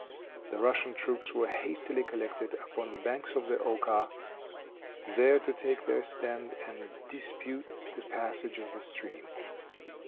The Russian troops were hastily collected upon the banks of the Oka, there to take their stand and dispute the passage of the stream.